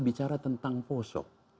bicara tentang posok